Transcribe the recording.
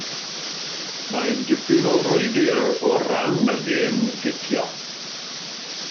Mae'n dipyn o frwydr o ran y gêm gicio.